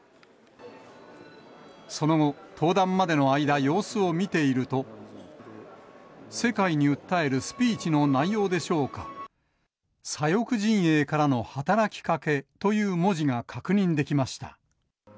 その後、登壇までの間、様子を見ていると、世界に訴えるスピーチの内容でしょうか、左翼陣営からの働きかけという文字が確認できました。